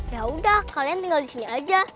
yaudah kalian tinggal di sini aja